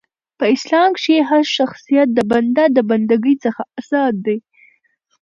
په اسلام کښي هرشخصیت د بنده د بنده ګۍ څخه ازاد دي .